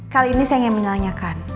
kali ini saya ingin menanyakan